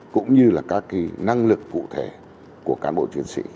cũng như là các năng lực cụ thể của cán bộ chiến sĩ